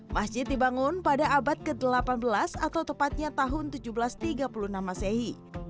masjid dibangun pada abad ke delapan belas atau tepatnya tahun seribu tujuh ratus tiga puluh enam masehi